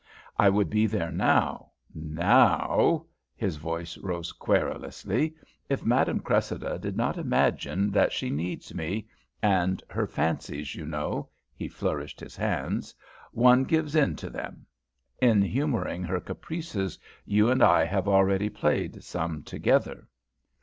I would be there now, n ow ow," his voice rose querulously, "if Madame Cressida did not imagine that she needs me, and her fancies, you know," he flourished his hands, "one gives in to them. In humouring her caprices you and I have already played some together."